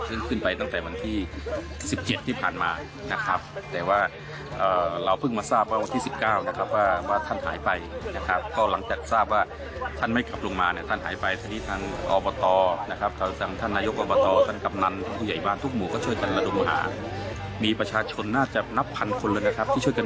ซึ่งขึ้นไปตั้งแต่วันที่๑๗ที่ผ่านมานะครับแต่ว่าเราเพิ่งมาทราบว่าวันที่๑๙นะครับว่าท่านหายไปนะครับก็หลังจากทราบว่าท่านไม่กลับลงมาเนี่ยท่านหายไปทีนี้ทางอบตนะครับทางท่านนายกอบตท่านกำนันท่านผู้ใหญ่บ้านทุกหมู่ก็ช่วยกันระดมหามีประชาชนน่าจะนับพันคนเลยนะครับที่ช่วยกัน